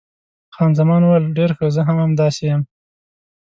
خان زمان وویل، ډېر ښه، زه هم همداسې یم.